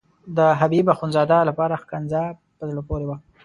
د حبیب اخندزاده لپاره ښکنځا په زړه پورې وه.